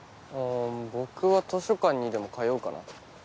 うん僕は図書館にでも通おうかな。